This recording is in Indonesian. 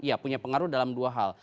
ia punya pengaruh dalam dua hal